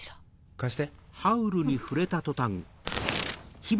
貸して。